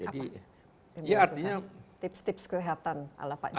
tips tips kelihatan ala pak jk